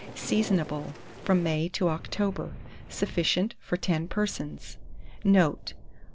Seasonable from May to October. Sufficient for 10 persons. Note.